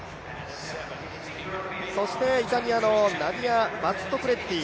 そしてイタリアのナディア・バットクレッティ。